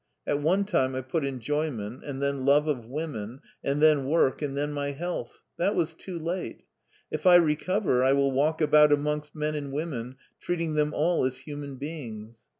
At one time I put enjoyment, and then love of women, and then work, and then my health. That was too late. If I recover I will walk about amongst men and women treating them all as human beings.